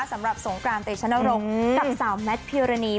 สำหรับสงกราณเตะชะนรกกับสาวแมทเพียรณี